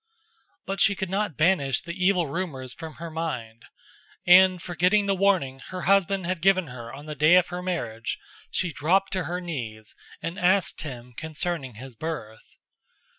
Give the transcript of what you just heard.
But she could not banish the evil rumors from her mind, and forgetting the warning her husband had given her on the day of her marriage, she dropped to her knees and asked him concerning his birth.